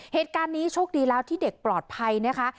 เหตุการณ์นี้โชคดีแล้วที่เด็กปลอดภัยนะคะ